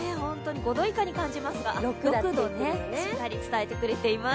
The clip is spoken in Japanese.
５度以下に感じますが、６だとしっかり伝えてくれています。